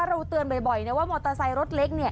เราเตือนบ่อยนะว่ามอเตอร์ไซค์รถเล็กเนี่ย